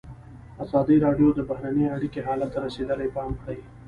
ازادي راډیو د بهرنۍ اړیکې حالت ته رسېدلي پام کړی.